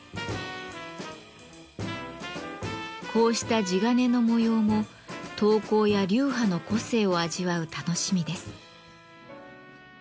こうした地鉄の模様も刀工や流派の個性を味わう楽しみです。